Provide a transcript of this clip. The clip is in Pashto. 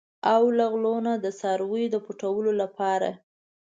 او له غلو نه د څارویو د پټولو لپاره.